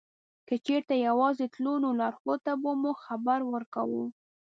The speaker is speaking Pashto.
که چېرته یوازې تلو نو لارښود ته به مو خبر ورکاوه.